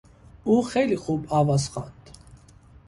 او خیلی خوب آواز خواند.